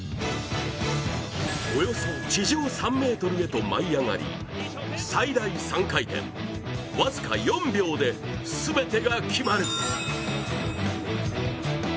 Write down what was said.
およそ地上３ｍへと舞い上がり最大３回転僅か４秒で全てが決まる。